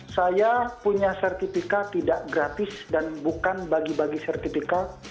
saya punya sertifikat tidak gratis dan bukan bagi bagi sertifikat